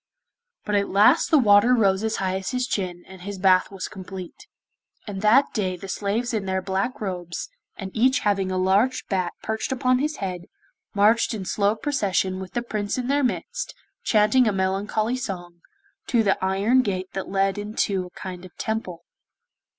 But at last the water rose as high as his chin, and his bath was complete. And that day the slaves in their black robes, and each having a large bat perched upon his head, marched in slow procession with the Prince in their midst, chanting a melancholy song, to the iron gate that led into a kind of Temple.